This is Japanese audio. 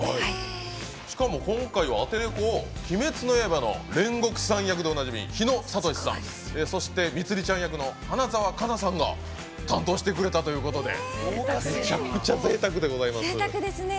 しかも、今回はアテレコを「鬼滅の刃」の煉獄さん役の日野聡さんそして蜜璃ちゃん役の花澤香菜さんが担当してくれたということでめちゃくちゃぜいたくでございます。